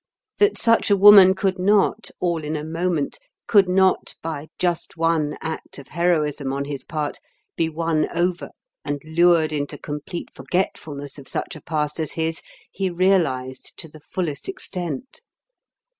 That such a woman could not, all in a moment could not by just one act of heroism on his part be won over and lured into complete forgetfulness of such a past as his, he realized to the fullest extent.